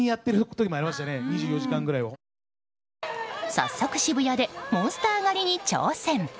早速、渋谷でモンスター狩りに挑戦。